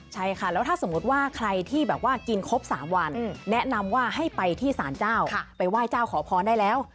ใช่ค่ะแล้วถ้าสมมุติว่าใครที่แบบว่ากินครบ๓วันแนะนำว่าให้ไปที่สารเจ้าไปไหว้เจ้าขอพรได้แล้ว